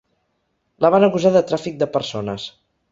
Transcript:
La van acusar de tràfic de persones.